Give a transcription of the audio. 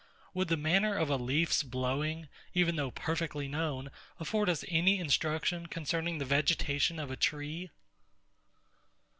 Would the manner of a leaf's blowing, even though perfectly known, afford us any instruction concerning the vegetation of a tree?